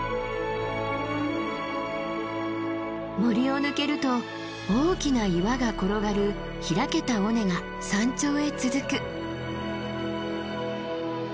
森を抜けると大きな岩が転がる開けた尾根が山頂へ続く。